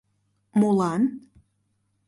«Молан?»